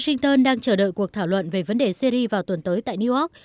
shinton đang chờ đợi cuộc thảo luận về vấn đề syri vào tuần tới tại new york